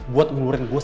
buat ngelurin bos